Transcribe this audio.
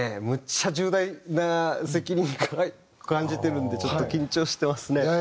むっちゃ重大な責任感じてるんでちょっと緊張してますね。